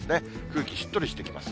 空気、しっとりしてきます。